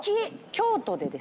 京都でですね